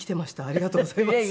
ありがとうございます。